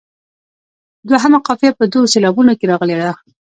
دوهمه قافیه په دوو سېلابونو کې راغلې ده.